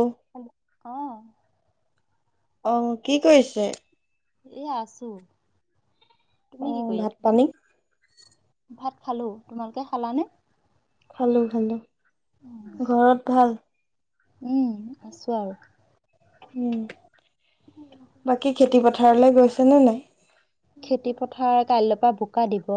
অ, হেল, অঁ। অঁ, কি কৰিছে? এ আছো, তুমি অ কি কৰি ভাত আছা? পানী ভাত খালোঁ। তোমালোকে খালানে? খালো খালো। ঘৰত ভাল? উম, আছো আৰু উম, বাকী খেতি পথাৰলে গৈছে নে নাই? খেতি পথাৰ কাইলৈ পা বোকা দিব।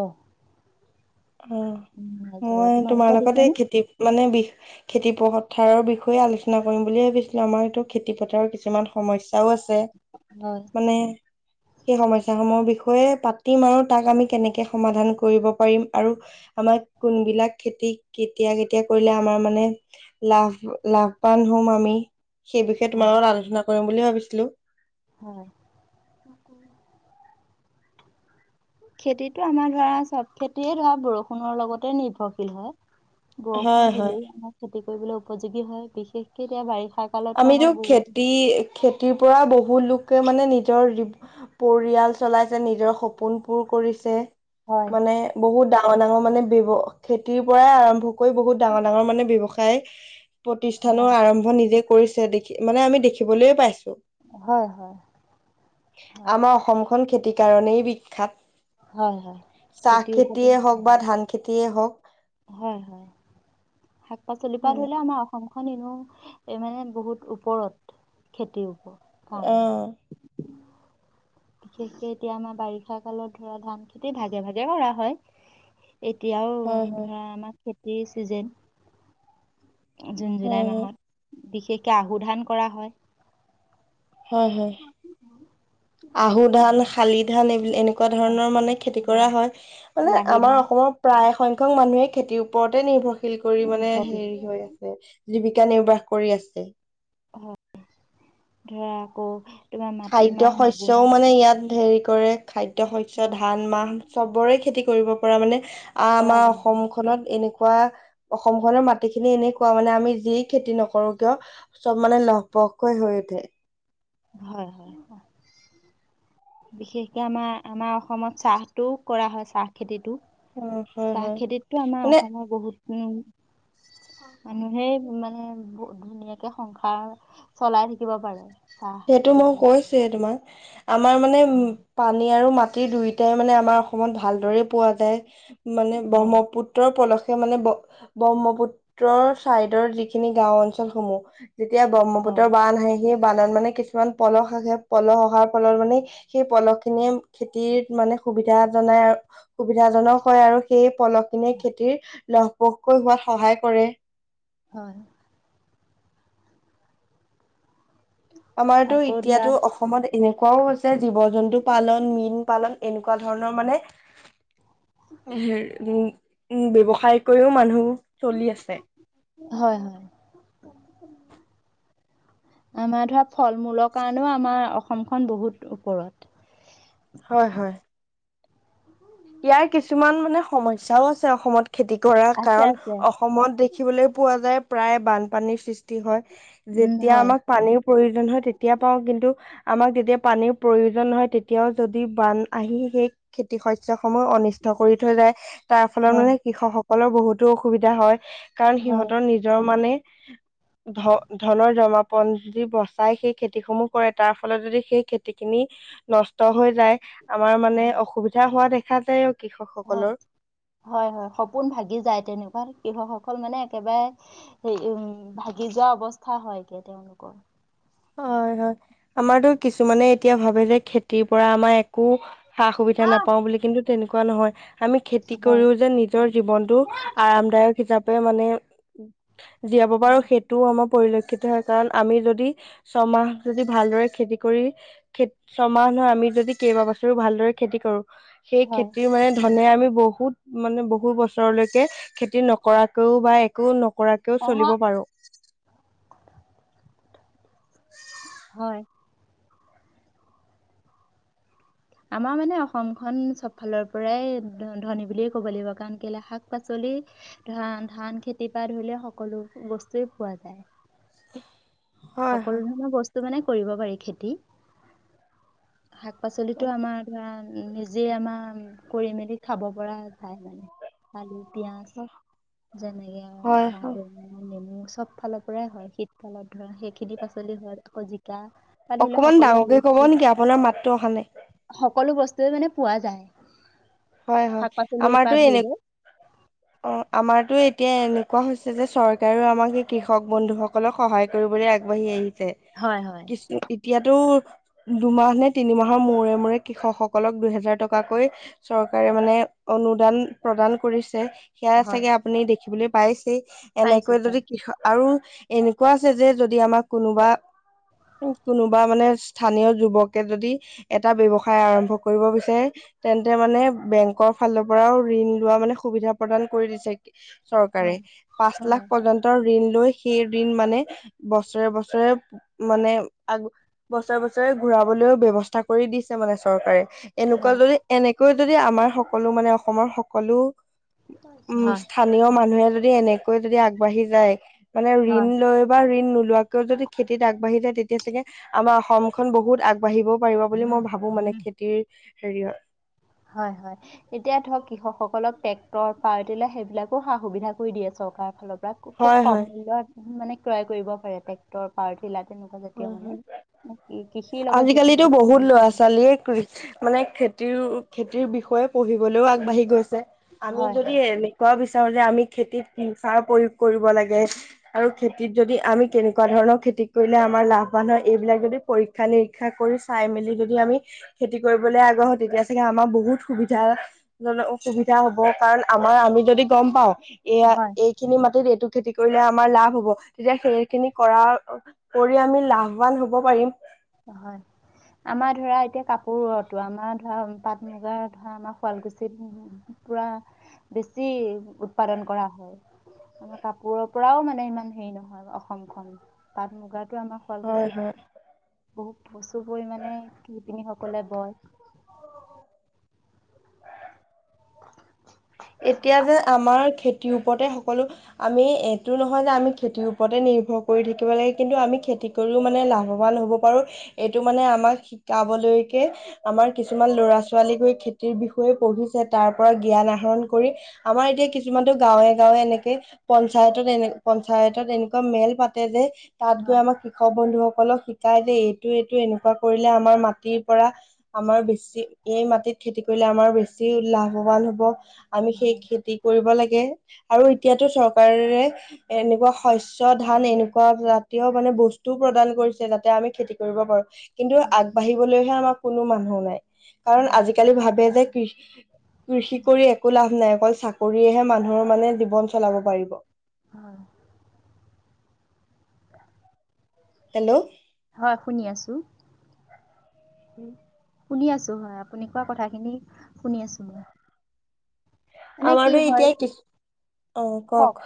অঁ, উম, মই তোমাৰ তোমালোকৰ লগত এই দিছেনে খেতি মানে বিষ খেতি পথাৰৰ বিষয়ে আলোচনা কৰিম বুলি ভাবিছিলো, আমাৰ এইটো খেতি পথাৰৰ কিছুমান সমস্যাও আছ ছে হয় মানে সেই সমস্যা সমূহৰ বিষয়ে পাতিম আৰু তাক আমি কেনেকে সমাধান কৰিব পাৰিম আৰু আমাৰ কোনবিলাক খেতি কেতিয়া কেতিয়া কৰিলে আমাৰ মানে লাভ লাভবান হ'ম আমি, সেই বিষয়ে তোমাৰ হয় লগত আলোচনা কৰিম বুলি ভাবিছিলো। হয়। খেতিটো আমাৰ ধৰা চ'ব খেতিয়ে ধৰা বৰষুণৰ লগতে নিৰ্ভৰশীল হয়। হয় বৰষুণ হয় দিলেই আমাৰ খেতি কৰিবলৈ উপযোগী হ, য় বিশেষকে এতিয়া বাৰিষা ক আমিতো খেতি খেতিৰ পৰা বহুত লোকে মানে নিজৰ পৰিয়াল চলাইছে, নিজৰ সপোন পূৰ কৰিছে। হয় মানে বহুত ডাঙৰ ডাঙৰ মানে ব্যৱ খেতিৰ পৰাই আৰম্ভ কই বহুত ডাঙৰ ডাঙৰ মানে ব্যৱসায় হয় প্ৰতিষ্ঠানৰ আৰম্ভ নিজেই কৰিছে দেখি মানে আমি দেখিবলৈয়ে পাইছো। হয় হয় আমাৰ অসম খন খেতিৰ কাৰণেই বিখ্যাত। হয় হয় চাহ খেতিৰ ওপৰতে খেতিয়ে হওঁক নিৰ্ভৰশীল বা ধান খেতিয়ে হওঁক। হয় হয়। শাক পাচলিৰ পা উম ধৰিল' আমাৰ অ সমখন এনেও মানে বহুত ওপৰত খেতিৰ ওপৰত। কাৰণে অঁ। বিশেষকে এতিয়া আমাৰ বাৰিষা কালত ধৰা ধান খেতি ভাগে ভাগে কৰা হয়। এতিয়াও হয় হয় ধৰা আমাৰ খেতিৰ ছিজেন। জুন জুলাই হয় হয় মাহত বিশেষকৈ আহু ধান কৰা হয়। হয় হয় আহু ধান, হয় শালি ধান এইবিলাক এনে এনেকুৱা ধৰণৰ মানে খেতি কৰা হয় মানে লাহি আমাৰ ধান অসমৰ প্ৰায় সংংখ্ক মানুহে খেতিৰ ওপৰতে নিৰ্ভৰশীল কৰি মানে হেৰি হৈ আছে। জীৱিকা নিৰ্বাহ কৰি আছে। হয় ধৰা আকৌ তোমাৰ খাদ্য মাটিমাহ শস্যও মগুমাহ মানে ইয়াত হেৰি কৰে খাদ্য শস্যৰ হয় ধান মাহ চবৰে খেতি কৰিব পৰা মানে আ কৰা আমাৰ যায় অসমখন অসমখনত এনেকুৱা অসম খনৰ মাটিখিনি এনেকুৱা মানে আমি যি খেতি নকৰো কিয়? চব মানে লহপহকৈ হৈ উঠে। হয়-হয় -হয়। বিশেষকে আমাৰ আমাৰ অসমত চাহটোও কৰা হয় চাহ খেতিটো। অ হয় চাহ হয় খেতিতটো আমাৰ মানে অসমৰ বহুত উম মানুহেই মানে ধুনীয়াকে সংসাৰ চলাই থাকিব পাৰে। চাহ সেইটো খেতি মই কৰি। কৈছে তোমাক আমাৰ মানে উম পানী আৰু মাটিৰ দুয়োটাই মানে আমাৰ অসমত ভালদৰে পোৱা যায় মানে হয় ব্ৰহ্মপুত্ৰ পুত্ৰৰ পলসে মানে ব্ৰহ্মপুত্ৰৰ চাইডৰ যিখিনি গাও অঞ্চলসমূহ যেতিয়া হয় ব্ৰহ্মপুত্ৰৰ বান আহে সেই বানত মানে কিছুমান পলস আহে পলহ অহাৰ ফলত মানে সেই পলহ খিনিয়ে খেতিত মানে সুবিধা জনাই আৰু সুবিধাজনক হয় আৰু সেই পলহ খিনি খেতিৰ লহপহকৈ হোৱাত সহায় কৰে। হয়-হয় আমাৰতো আকৌ ধৰা এতিয়াতো অসমত এনেকুৱাও হৈছে জীৱ জন্তু পালন মীন পালন এনেকুৱা ধৰণৰ মানে হেই উম উম ব্যৱসায় কৰিও মানুহ চলি আছে। হয় হয়। আমাৰ ধৰা ফল মূলৰ কাৰণেও আমাৰ অসমখন বহুত ওপৰত। হয় হয়। [inaudible] ইয়াৰ কিছুমান মানে সমস্যাও আছে অসমত খেতি কৰাৰ আছে কাৰণ আছে অসমৰ সমত দেখিবলৈ পোৱা যায় প্ৰায় বানপানীৰ সৃষ্টি হয় উম যেতিয়া হয় আমাক পানীৰ প্ৰয়োজন হয় তেতিয়া পাওঁ কিন্ত আমাক যেতিয়া পানীৰ প্ৰয়োজন হয় তেতিয়াও যদি বান আহি সেই খেতি শস্যৰ সমূহ অনিষ্ট কৰি থৈ যায় তাৰ ফলত হয় মানে কৃষকসকলৰ বহুতো অসুবিধা হয়। কাৰণ হয় সিহঁতৰ নিজৰ মানে ধন ধনৰ জমাপন যি বচাই সেই খেতিসমূহ কৰে, তাৰ ফলত যদি সেই খেতি খিনি নষ্ট হৈ যায়, আমাৰ মানে হয় অসুবিধা হোৱা দেখা যায় আৰু কৃষকসকলৰ। হয় হয় সপোন ভাগি যায় তেনেকুৱাত কৃষকসকল মানে একেবাৰে হে উম ভাগি যোৱা অৱস্থা হয়গে তেওঁলোকৰ। হয় হয় আমাৰতো কিছুমানে এতিয়া ভাৱে যে খেতিৰ পৰা আমাৰ একো সা-সুবিধা হয় নাপাওঁ বুলি কিন্তু তেনেকুৱা নহয়। আমি খেতি কৰিও যে নিজৰ জীৱনতটো আৰামদায়ক হিচাপে মানে জীয়াব পাৰো সেইটোও আমাৰ পৰিলক্ষিত হয় কাৰণ আমি যদি ছমাহ যদি ভালদৰে খেতি কৰি হে হে খেত ছমাহ নহয় আমি যদি কেইবা বছৰো ভালদৰে খেতি কৰো, সেই হয় খেতিৰ মানে মানে আমি বহুত মানে বহু বছৰলৈকে খেতি নকৰাকৈও বা একো ন কৰাতকৈও হয় চলিব পাৰো। হয়। আমাৰ মানে অসমখন চবফালৰ পৰাই ধ ধনী বুলিয়েই ক'ব লাগিব কাৰণ কেলে শাক-পাচলি এ হে ধান ধান খেতিৰ পৰা ধৰিলে সকলো বস্তুৱে পোৱা যায়। উমহ। হে আ, সকলো ধৰণৰ বস্তু মানে কৰিব পাৰি খেতি। শাক-পাচলিটো আমাৰ যাম, নিজেই আমাৰ কৰি মেলি খাব পৰা ঠাই লাগে। আলু পিঁয়াজ যেনেকে আৰু হয় হয় ভাত নেম নেমু চব ফালৰ পৰাই হয় শীতকালত ধৰা সেইখিনি পাচলি হয় আকৌ জিকা। বা ধৰি লওক অকমান সকলো ডাঙৰকৈ ক'ব বস্তু নেকি আপোনাৰ মাততো অহা নাই। সকলো বস্তুৱেই মানে পোৱা যায়। হয় হয়, শাক পাচলিৰ পৰা আমাৰতো ধৰি এনে লৈ অ' আমাৰটো এতিয়া এনেকুৱা হৈছে যে চৰকাৰেও আমাৰ সেই কৃষক বন্ধু সক সকলোৱে সহায় কৰিবলৈ আগবাঢ়ি আহিছে। হয় হয় হয়। দিছনো এতিয়া তোৰ দুমাহ নে তিনিমাহৰ মূৰে-মূৰে কৃষক সকলক দুইহেজাৰ টকাকৈ হে এ চৰকাৰে মানে অনুদান প্ৰদান কৰিছে, সেয়া হয় চাগে আ আপুনি দেখিবলৈ পাইছেই ই ই ই পাইছো এনেকৈ যদি পাইছো কৃষ আৰু এনেকুৱা আছে যে যদি আমাক কোনোবা উম, কোনোবা মানে স্থানীয় যুৱকে যদি হে হে ঠি এটা ব্যৱসায় আৰম্ভ কৰিব বিচাৰে এ এ তেন্ত এতিয়া মানে বেংকৰ ফালৰ পৰাও ঋণ লোৱা মানে সুবিধা প্ৰদান কৰি দিছে। এ ই ই আ, চৰকাৰে হয় এ এ পাঁচ লাখ হয় পৰ্যন্ত তোৰ ঋণ লৈ সেই ঋণ মানে হে এ এ বছৰে বছৰে মানে আগ বছৰে বছৰে ঘূৰাবলৈও ব্যৱস্থা কৰি দিছে মানে চৰকাৰে। হে হে এনেকুৱা হয় যদি এনেকৈ যদি আমাৰ সকলো মানে অসমৰ সকলো উম উ, হয় স্থানীয় মানুহে যদি এনেকৈ যদি আগবাঢ়ি যায় হে এ এ মানে হয় ঋণ লৈ বা ঋণ নোলোৱাকৈও যদি খেতিত আগবাঢ়ি যায় তেতিয়া চাগে ই ই আ আমাৰ অসমখন বহুত আগ বাঢ়িবও পাৰিব বুলি মই ভাবো মানে খেতিৰ এ এ এ হেৰিয়ৰ। হয় হয়। এতিয়া ধৰক কৃষকসকলক ট্ৰেক্টৰ, পাৱাৰ টিলাৰ সেইবিলাকৰো সা-সুবিধা কৰি দিয়ে চৰকাৰৰ ফালৰ প্ৰায় খু খুব হয় হয় কম মূল্যত মানে ক্ৰয় কৰিব পাৰে ট্ৰেক্টৰ পাৱাৰটিলা তেনেকুৱা জাতীয় হয় হয় মানে কৃষিৰ লগত যিখিনি বস্তু জৰিত হৈ লেট কৰিছে! ই ই হে মানে খেতিৰও খেতিৰ বিষয়ে পঢ়িবলৈও আগবাঢ়ি গৈছে আমি হয় যদি এনে কব বিচাৰো যে আমি খেতিত উম সাৰ প্ৰয়োগ কৰিব লাগে। আৰু খেতিত যদি আমি কেনেকুৱা ধৰণৰ খেতি কৰি মানে আমাৰ লাভৱান হয় এইবিলাক যদি পৰীক্ষা-নিৰীক্ষা কৰি চাই মেলি যদি আমি- খেতি কৰিবলৈ আগ্ৰহ তেতিয়া চাগে আমাৰ বহুত সুবিধা- ধৰিলও অসুবিধা হব কাৰণ আমাৰ আমি যদি গম পাওঁ। এইয়া হয় এই খিনি মাটিত এইটো খেতি কৰিলে আমাৰ লাভ হব তেতিয়া সেইখিনি কৰা কৰি আমি লাভৱান হব পাৰিম। হয়। আমাৰ ধৰা এতিয়া কাপোৰটো আমাৰ ধৰা পাট মুগাৰ ধৰা আমাৰ শুৱালকুছিত পুৰা বেছি উৎপাদন কৰা হয়। আমাৰ কাপোৰৰ পৰাও মানে ইমান হেৰি নহয় অসমখন পাত মুগাটো আমাৰ হয় হয় শুৱালকুছিত বহুত প্ৰচুৰ পৰিমাণে শিপিনীসকলে বয়। [inaudible] এতিয়া যে আমাৰ খে তিৰ ওপৰতে সকলো। আমি এইটো নহয় যে আমি খেতিৰ ওপৰতে নিৰ্ভৰ কৰি থাকিব লাগে কিন্তু আমি খেতি কৰিও মানে লাভৱান হ'ব পাৰোঁ এইটো মানে আমাক শিকাবলৈকে আমাৰ কিছুমান ল'ৰা ছোৱালী গৈ খেতিৰ বিষয়ে পঢ়িছে তাৰপৰা জ্ঞান আহৰণ কৰি আমাৰ এতিয়া কিছুমানটো গাঁৱে গাঁৱে এনেকে পঞ্চায়তত এনে পঞ্চায়তত এনেকুৱা মেল পাতে যে তাত গৈ হয় আমাক শ বন্ধুসকলক শিকাই যে এইটো এইটো এনেকুৱা কৰিলে আমাৰ মাটিৰ পৰা আমাৰ বেছি এই মাটিত খেতি কৰিলে আমাৰ বেছি লাভৱান হব। আমি সেই খেতি কৰিব লাগে আৰু এতিয়াতো চৰকাৰে এনেকুৱা শস্য ধান এনেকুৱা জাতীয় মানে বস্তুও প্ৰদান কৰিছে যাতে আমি খেতি কৰিব পাৰো। কিন্তু হয় আগবাঢ়িবলৈহে আমাৰ কোনো মানুহ নাই কাৰণ হয় আজিকালি ভাবে যে কৃ কৃষি কৰি একো লাভ নাই অকল চাকৰিয়েহে মানুহৰ মানে জীৱন চলাব পাৰিব। হয়। হেল্ল'! হয় শুনি আছো। [inaudible] শুনি আছো হয় আপুনি কোৱা কথাখিনি শুনি আছো মই। এনে কি আমাৰো হয়, এতিয়া কি কওক।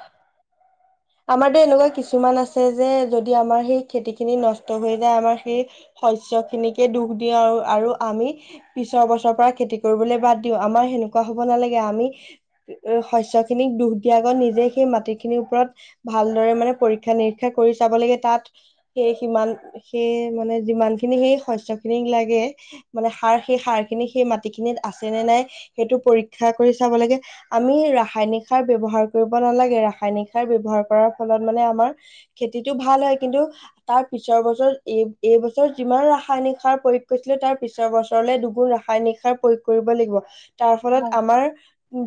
আমাৰতো এনেকুৱা কিছুমান আছে যে যদি আমাৰ সেই খেতি খিনি নষ্ট হৈ যায় আমাৰ সেই শস্য খিনিকে দুখ দিওঁ আৰু, আৰু আমি পিছৰ বছৰৰ পৰা খেতি কৰিবলৈ বাদ দিও আমাৰ সেনেকুৱা হব নালাগে আমি শস্য খিনিক দোখ দিয়া আগত নিজে সেই মাটিখিনিৰ ওপৰত ভালদৰে মানে পৰীক্ষা নিৰীক্ষা কৰি চাব লাগে তাত সেই সিমান সেই মানে যিমানখিনি সেই শস্য খিনিক লাগে মানে সাৰ সেই সাৰ খিনি সেই মাটিখিনিত আছে নে নাই সেইটো পৰীক্ষা কৰি চাব লাগে। আমি ৰাসায়নিক সাৰ ব্যৱহাৰ কৰিব নালাগে ৰাসায়নিক সাৰ ব্যৱহাৰ কৰাৰ ফলত মানে আমাৰ খেতিটো ভাল হয় কিন্তু তাৰপিছৰ বছৰত এই এই বছৰত যিমান ৰাসায়নিক সাৰ প্ৰয়োগ কৰিছিলে তাৰ পিছৰ বছৰলৈ দুগুন ৰা সায়নিক সাৰ প্ৰয়োগ কৰিব লাগিব তাৰ ফলত হয় আমাৰ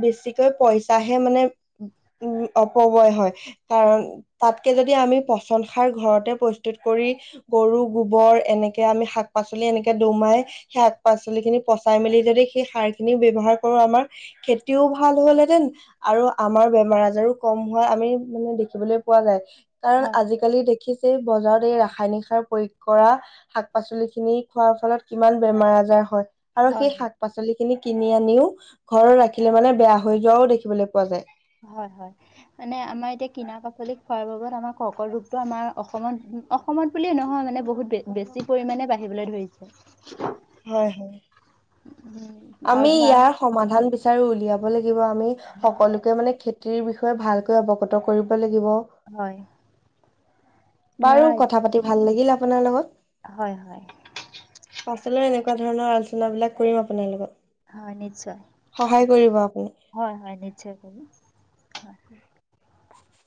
বেছিকৈ পইচাহে মানে উম অপবয় হয় কাৰণ, তাতকৈ যদি আমি পচন সাৰ ঘৰতে প্ৰস্তুত কৰি গৰু গোবৰ এনেকে আমি শাক পাচলি এনেকে দুনাই সেই শাক পাচলি খিনি পচাই মেলি যদি সেই সাৰ খিনি ব্যৱহাৰ কৰো আমাৰ খেতিও ভাল হ'লহেতেন আৰু আমাৰ বেমাৰ আজাৰো কম হোৱা আমি মানে দেখিবলৈ পোৱা যায় কাৰণ হয় আজি কালি দেখিছে বজাৰত এই ৰাসায়নিক সাৰ প্ৰয়োগ কৰা। শাক - পাচলিখিনি খোৱাৰ ফলত কিমান বেমাৰ - আজাৰ হয়। আৰু হয় সেই শাক পাচলিখিনি কিনি আনিও ঘৰত ৰাখিলে মানে বেয়া হৈ যোৱাও দেখিবলৈ পোৱা যায়। হয় হয় মানে আমাৰ এতিয়া কিনা পাচলি খোৱাৰ [unintelligible] আমাৰ কৰ্কৰ ৰোগটো আমাৰ অসমত অসমত বুলিয়ে নহয় মানে বহুত বে বেছি পৰিমাণে বাঢ়িবলৈ ধৰিছে। হে হে। উম। আৰু আমি ধৰা ইয়াৰ সমাধান বিচাৰি উলিয়াব লাগিব, আমি হয় সকলোকে মানে খে তিৰ বিষয়ে ভালকৈ অৱগত কৰিব লাগিব। হয়। বাৰু ধৰা কথা পাতি ভাল লাগিল আপোনাৰ লগত। হয় হয়। পাছলৈও এনেকুৱা ধৰণৰ আলোচনাবিলাক কৰিম আপোনাৰ লগত। হয় নিশ্চয়, সহায় কৰিব আপুনি। হয় হয় নিশ্চয় কৰিম। উহ